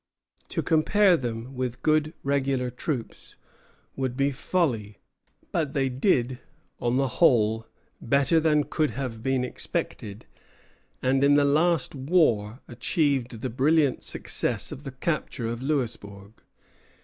To compare them with good regular troops would be folly; but they did, on the whole, better than could have been expected, and in the last war achieved the brilliant success of the capture of Louisburg.